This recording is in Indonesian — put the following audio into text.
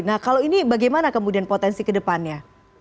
nah kalau ini bagaimana kemudian potensi ke depannya